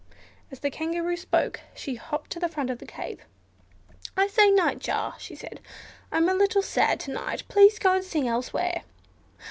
As the Kangaroo spoke she hopped to the front of the cave. "I say, Nightjar," she said, "I'm a little sad to night, please go and sing elsewhere."